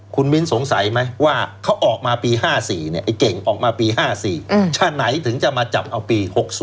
คุณมิ้นสงสัยไหมว่าเขาออกมาปี๕๔ไอ้เก่งออกมาปี๕๔ชาติไหนถึงจะมาจับเอาปี๖๐